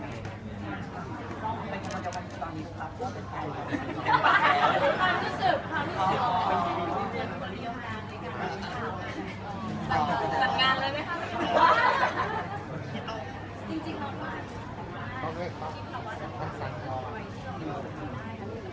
ถ้าเกิดตอนนี้ก็ไม่มีความรู้สึกนะครับถ้าเกิดตอนนี้ก็ไม่มีความรู้สึกนะครับ